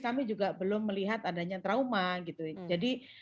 sehat adanya trauma jadi